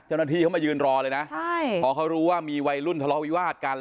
เจ้าหน้าที่เขามายืนรอเลยนะใช่พอเขารู้ว่ามีวัยรุ่นทะเลาะวิวาสกัน